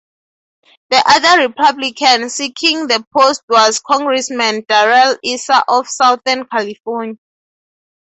The other Republican seeking the post was Congressman Darrell Issa of southern California.